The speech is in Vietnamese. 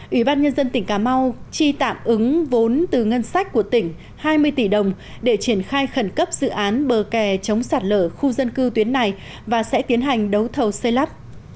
ủy ban nhân dân tỉnh cà mau chi tạm ứng vốn từ ngân sách của tỉnh hai mươi tỷ đồng để triển khai khẩn cấp dự án bờ kè chống sạt lở khu dân cư tuyến này và sẽ tiến hành đấu thầu xây lắp